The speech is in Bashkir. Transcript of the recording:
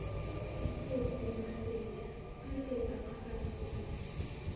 Китәйек тинем әсәйеңә, Төркиәгә ҡасайыҡ тинем!